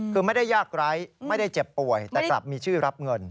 คือไม่ได้ยากไร้ไม่ได้เจ็บป่วยแต่กลับมีชื่อรับเงิน